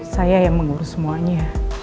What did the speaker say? saya yang mengurus semuanya